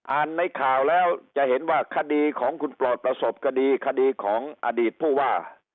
ในข่าวแล้วจะเห็นว่าคดีของคุณโปรดประสบคดีคดีของอดีตผู้ว่า